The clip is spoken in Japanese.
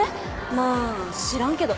まあ知らんけど。